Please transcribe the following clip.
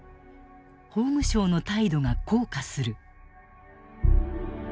法務省の態度が硬化する。